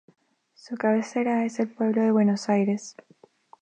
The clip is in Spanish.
Su cabecera es el pueblo de Buenos Aires.